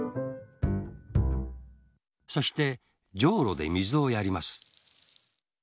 そしてじょうろでみずをやります。